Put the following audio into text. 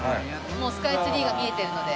もうスカイツリーが見えてるので。